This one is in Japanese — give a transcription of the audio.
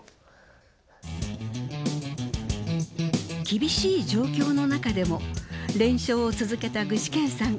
厳しい状況の中でも連勝を続けた具志堅さん。